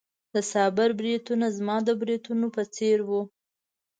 د صابر بریتونه زما د بریتونو په څېر وو.